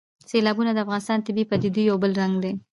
سیلابونه د افغانستان د طبیعي پدیدو یو بل رنګ دی.